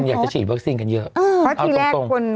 คนอยากจะฉีดวัคซีนกันเยอะเอาตรงเพราะที่แรกคน